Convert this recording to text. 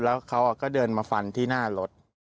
แล้วเขาก็เดินมาฟันที่หน้ารถ